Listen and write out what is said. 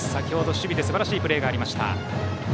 先程守備ですばらしいプレーがありました。